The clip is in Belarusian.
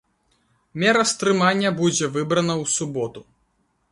Мера стрымання будзе выбрана ў суботу.